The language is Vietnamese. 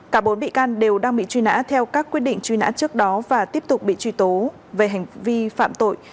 cả bốn bị can đều đang bị truy nã theo các quyết định truy nã trước đó và tiếp tục bị truy tố về hành vi phạm tội